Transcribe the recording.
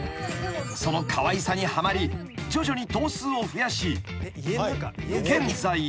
［そのかわいさにはまり徐々に頭数を増やし現在では］